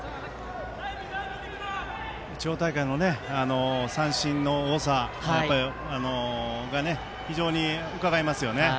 地方大会の三振の多さが非常にうかがえますよね。